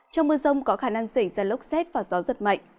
trong mưa rông có khả năng xảy ra lốc xét và gió giật mạnh